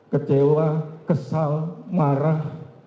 kecewa kesal marah